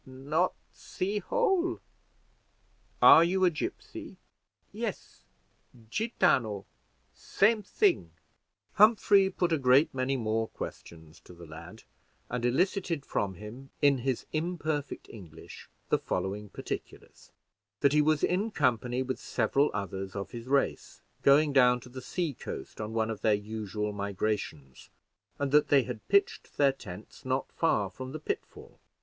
"Not see hole." "Are you a gipsy?" "Yes, gitano same thing." Humphrey put a great many more questions to the lad, and elicited from him, in his imperfect English, the following particulars: That he was in company with several others of his race, going down to the sea coast on one of their usual migrations, and that they had pitched their tents not far from the pitfall.